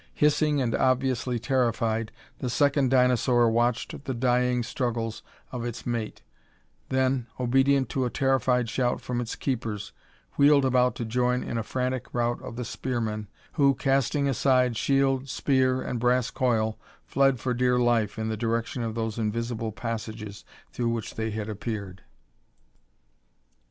Hissing and obviously terrified, the second dinosaur watched the dying struggles of its mate; then, obedient to a terrified shout from its keepers, wheeled about to join in a frantic rout of the spearmen, who, casting aside shield, spear and brass coil, fled for dear life in the direction of those invisible passages through which they had appeared.